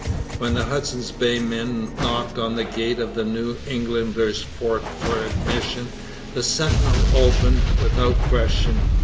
When the Hudson's Bay men knocked on the gate of the New Englanders' fort for admission, the sentinel opened without question.